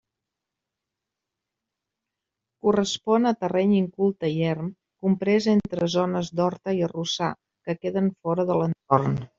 Correspon a terreny inculte i erm comprès entre zones d'horta i arrossar, que queden fora de l'entorn.